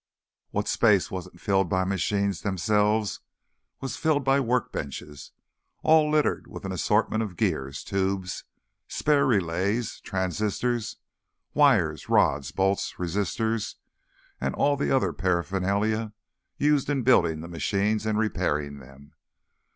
What space wasn't filled by the machines themselves was filled by workbenches, all littered with an assortment of gears, tubes, spare relays, transistors, wires, rods, bolts, resistors and all the other paraphernalia used in building the machines and repairing them.